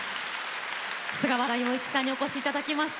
菅原洋一さんにお越しいただきました。